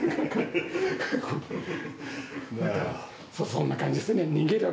そんな感じですよね。